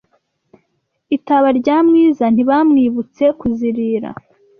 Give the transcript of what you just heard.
Itaba rya Mwiza ntibamwibutse kuzirira